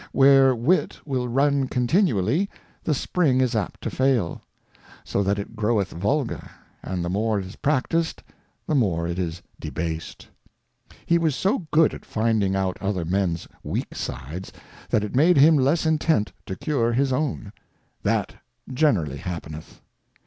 Where Wit will run continually, the Spring is apt to fail ; so that it groweth vulgar, and the more it is practised, the more it is debased. He was so good at finding out other Mens weak Sides, that it made him less intent to cure his own : That generally happeneth.